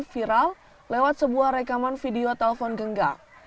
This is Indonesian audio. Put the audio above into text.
viral lewat sebuah rekaman video telepon genggak